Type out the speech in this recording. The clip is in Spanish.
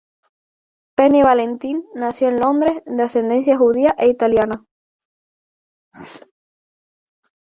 Penny Valentine nació en Londres, de ascendencia judía e italiana.